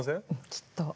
きっと。